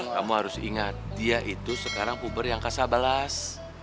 kamu harus ingat dia itu sekarang puber yang kasabalas